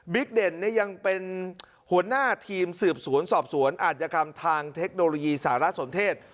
เด่นยังเป็นหัวหน้าทีมสืบสวนสอบสวนอาจยกรรมทางเทคโนโลยีสารสนเทศ